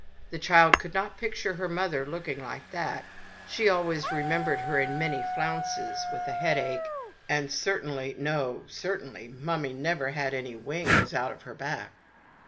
The child could not picture her mother look ing like that ; she always remembered her in many flounces, with a head ache ; and cer tainly, no certainly, mummy never had any wings out of her back.